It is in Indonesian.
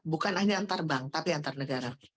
bukan hanya antar bank tapi antar negara